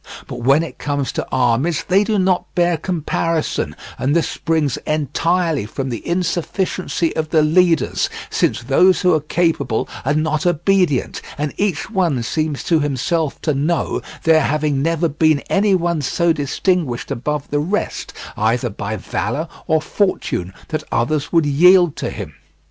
But when it comes to armies they do not bear comparison, and this springs entirely from the insufficiency of the leaders, since those who are capable are not obedient, and each one seems to himself to know, there having never been any one so distinguished above the rest, either by valour or fortune, that others would yield to him.